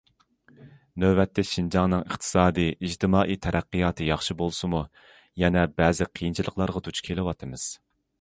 نۆۋەتتە، شىنجاڭنىڭ ئىقتىسادىي، ئىجتىمائىي تەرەققىياتى ياخشى بولسىمۇ، يەنە بەزى قىيىنچىلىقلارغا دۇچ كېلىۋاتىمىز.